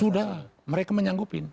sudah mereka menyanggupi